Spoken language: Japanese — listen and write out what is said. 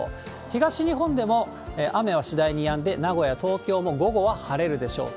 東日本でも、雨は次第にやんで、名古屋、東京も午後は晴れるでしょう。